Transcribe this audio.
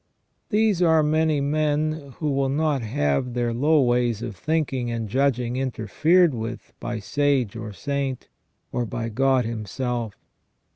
There are many men who will not have their low ways of thinking and judging inter fered with by sage or saint, or by God Himself.